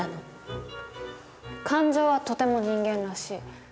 「感情はとても人間らしい」。